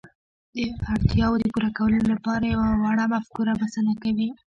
د اړتياوو د پوره کولو لپاره يوه وړه مفکوره بسنه کوي.